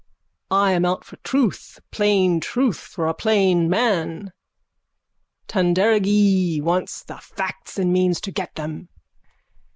I am out for truth. Plain truth for a plain man. Tanderagee wants the facts and means to get them.